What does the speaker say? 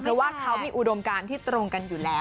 เพราะว่าเขามีอุดมการที่ตรงกันอยู่แล้ว